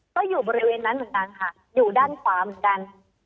ก็อยู่บริเวณนั้นเหมือนกันค่ะอยู่ด้านขวาเหมือนกัน